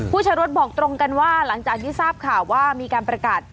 ใช้รถบอกตรงกันว่าหลังจากที่ทราบข่าวว่ามีการประกาศ